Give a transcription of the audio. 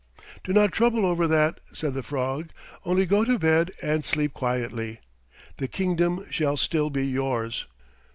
"Do not trouble over that," said the frog. "Only go to bed and sleep quietly. The kingdom shall still be yours."